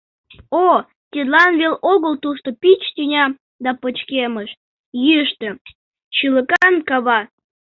О, тидлан вел огыл тушто пич тӱня Да пычкемыш, йӱштӧ, шӱлыкан кава.